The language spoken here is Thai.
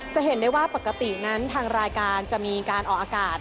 จะเห็นได้ว่าปกตินั้นทางรายการจะมีการออกอากาศ